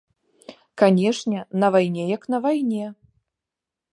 Канешне, на вайне як на вайне.